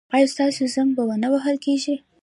ایا ستاسو زنګ به و نه وهل کیږي؟